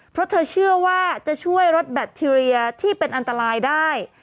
เพราะเธอเชื่อว่าจะช่วยลดแบคทีเรียที่เป็นอันตรายได้